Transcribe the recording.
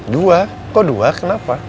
dua kok dua kenapa